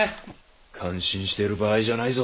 感心してる場合じゃないぞ。